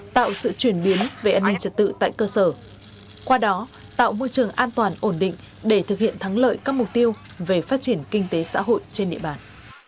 tạo sự chuyển biến về an ninh trật tự tại cơ sở qua đó tạo môi trường an toàn ổn định để thực hiện thắng lợi các mục tiêu về phát triển kinh tế xã hội trên địa bàn